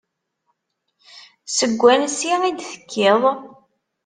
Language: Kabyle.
Seg wansi i d-tekkiḍ?